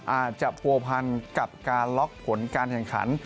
อาจจะผัวพันกับการล็อกผลการแข่งขัน